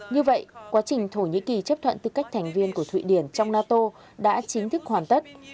như vậy quá trình thổ nhĩ kỳ chấp thuận tư cách thành viên của thụy điển trong nato đã chính thức hoàn tất